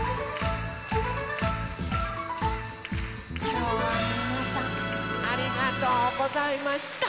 きょうはみなさんありがとうございました。